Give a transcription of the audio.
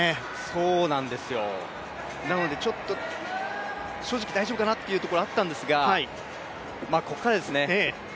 そうなんですよ、なので正直大丈夫かなというところはあったんですが、ここからですね。